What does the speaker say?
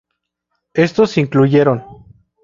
Estos incluyeron;